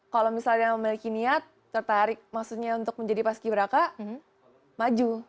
kalau misalnya dia memiliki niat tertarik maksudnya untuk menjadi pas kibraka maju